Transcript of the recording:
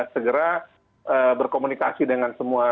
segera berkomunikasi dengan semua